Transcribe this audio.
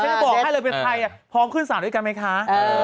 จริงฉันจะบอกให้เป็นใครพร้อมขึ้นศาลด้วยกันไหมค่ะ